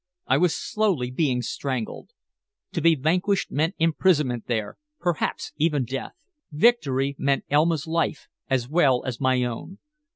I was slowly being strangled. To be vanquished meant imprisonment there, perhaps even death. Victory meant Elma's life, as well as my own.